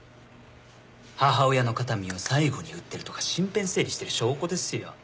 母親の形見を最後に売ってるとか身辺整理してる証拠ですよ。